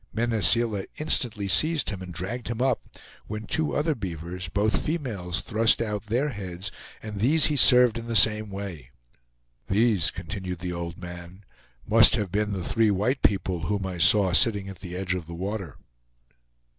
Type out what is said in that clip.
Mene Seela instantly seized him and dragged him up, when two other beavers, both females, thrust out their heads, and these he served in the same way. "These," continued the old man, "must have been the three white people whom I saw sitting at the edge of the water."